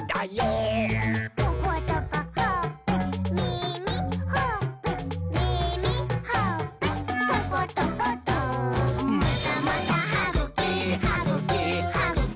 「トコトコほっぺ」「みみ」「ほっぺ」「みみ」「ほっぺ」「トコトコト」「またまたはぐき！はぐき！はぐき！